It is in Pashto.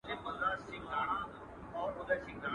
څوک د ورور په توره مړ وي څوک پردیو وي ویشتلي.